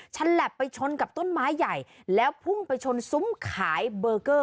ฉลับไปชนกับต้นไม้ใหญ่แล้วพุ่งไปชนซุ้มขายเบอร์เกอร์